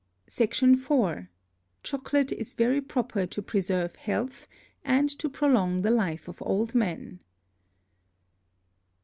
SECT. IV. Chocolate is very proper to preserve Health, and to prolong the Life of Old Men.